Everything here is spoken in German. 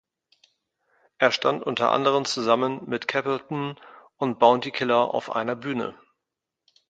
Er stand unter anderem zusammen mit Capleton und Bounty Killer auf einer Bühne.